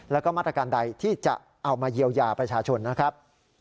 แล้วก็มาตรการใดที่จะเอามาเยียวยาประชาชนนะครับ